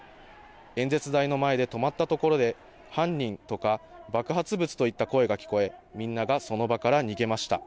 演説台の前で止まったところで犯人とか、爆発物といった声が聞こえ、みんながその場から逃げました。